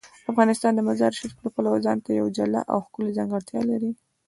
افغانستان د مزارشریف د پلوه ځانته یوه جلا او ښکلې ځانګړتیا لري.